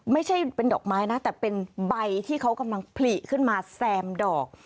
ไม่ใช่เป็นดอกไม้นะแต่เป็นใบที่เขากำลังผลิขึ้นมาแซมดอก